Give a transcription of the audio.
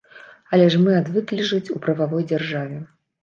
Але ж мы адвыклі жыць у прававой дзяржаве.